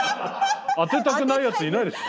当てたくないやついないでしょ！